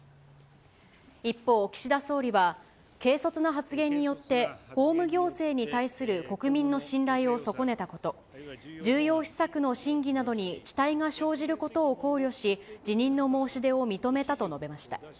一方、岸田総理は、軽率な発言によって法務行政に対する国民の信頼を損ねたこと、重要施策の審議などに遅滞が生じることを考慮し、辞任の申し出を認めたと述べました。